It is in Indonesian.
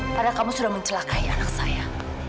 padahal kamu sudah mencelakai anak saya